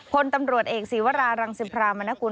พลตำรวจเอกศีวรารังสิพรามนกุล